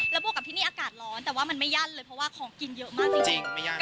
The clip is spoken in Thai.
แล้วบวกกับที่นี่อากาศร้อนแต่ว่ามันไม่ยั่นเลยเพราะว่าของกินเยอะมากจริง